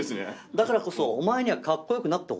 だからこそお前にはカッコ良くなってほしいんだよ。